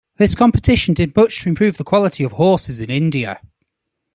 This competition did much to improve the quality of horses in India.